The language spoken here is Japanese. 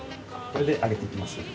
これで揚げていきます。